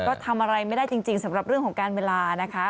ก็ทำอะไรไม่ได้จริงสำหรับเรื่องของการเวลานะคะ